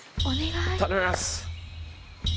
頼みます。